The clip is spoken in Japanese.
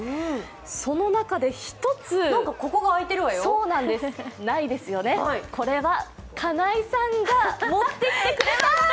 その中で１つ、ないですよね、これは金井さんが持ってきてくれました。